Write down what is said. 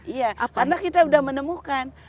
iya karena kita sudah menemukan